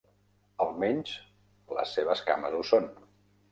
Al menys, les seves cames ho són.